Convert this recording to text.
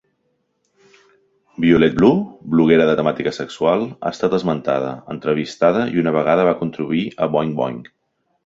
Violet Blue, bloguera de temàtica sexual, ha estat esmentada, entrevistada i una vegada va contribuir a "Boing Boing".